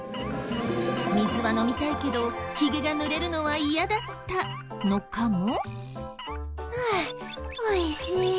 水は飲みたいけどひげがぬれるのは嫌だったのかも？